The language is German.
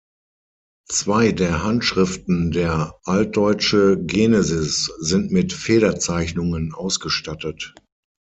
Zwei der Handschriften der Altdeutsche Genesis sind mit Federzeichnungen ausgestattet.